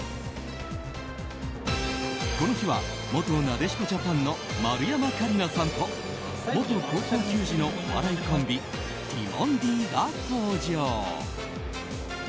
この日は元なでしこジャパンの丸山桂里奈さんと元高校球児のお笑いコンビティモンディが登場。